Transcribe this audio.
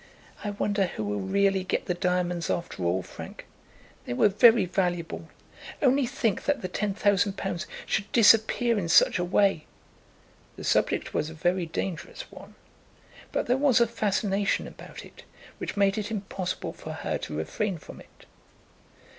"I wonder who will really get the diamonds after all, Frank? They were very valuable. Only think that the ten thousand pounds should disappear in such a way!" The subject was a very dangerous one, but there was a fascination about it which made it impossible for her to refrain from it.